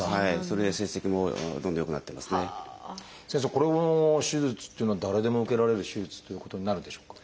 この手術っていうのは誰でも受けられる手術っていうことになるんでしょうか？